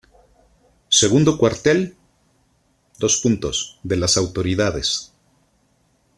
Segundo Cuartel: De las Autoridades.